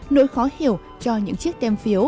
nỗi khó hiểu cho những chiếc tem phiếu